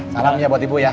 salam ya buat ibu ya